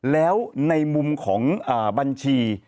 แล้วในมุมของบัญชี